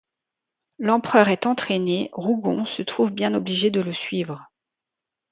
L'empereur est entraîné, Rougon se trouve bien obligé de le suivre.